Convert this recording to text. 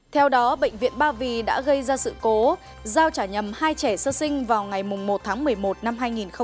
theo đó bệnh viện ba vì đã gây ra sự cố giao trả nhầm hai trẻ sơ sinh vào ngày một tháng một mươi một năm hai nghìn một mươi chín